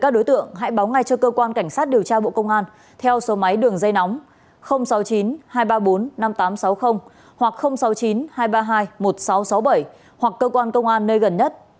các đối tượng hãy báo ngay cho cơ quan cảnh sát điều tra bộ công an theo số máy đường dây nóng sáu mươi chín hai trăm ba mươi bốn năm nghìn tám trăm sáu mươi hoặc sáu mươi chín hai trăm ba mươi hai một nghìn sáu trăm sáu mươi bảy hoặc cơ quan công an nơi gần nhất